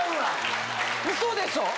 ウソでしょ